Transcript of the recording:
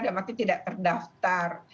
dalam arti tidak terdaftar